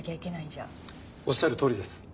おっしゃるとおりです。